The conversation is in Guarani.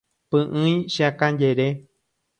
Py'ỹi cheakãjere.